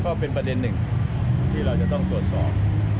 ก็เป็นประเด็นหนึ่งที่เราจะต้องตรวจสอบ